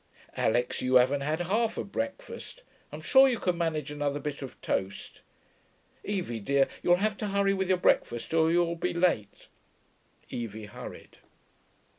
Alix, you haven't had half a breakfast; I'm sure you could manage another bit of toast. Evie dear, you'll have to hurry with your breakfast or you'll be late.' Evie hurried.